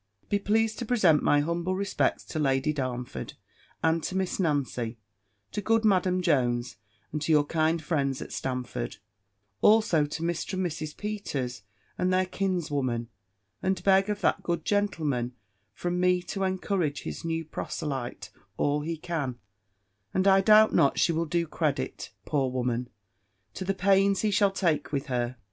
"Be pleased to present my humble respects to Lady Darnford, and to Miss Nancy; to good Madam Jones, and to your kind friends at Stamford; also to Mr. and Mrs. Peters, and their kins woman: and beg of that good gentleman from me to encourage his new proselyte all he can; and I doubt not, she will do credit, poor woman! to the pains he shall take with her.